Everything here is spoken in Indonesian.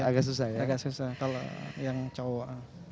agak susah kalo yang cowok